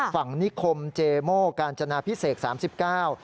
นิคมเจโม่กาญจนาพิเศษสามสิบเก้า